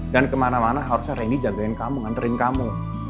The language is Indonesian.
dan kemana mana harusnya randy jagain kamu nganterin kamu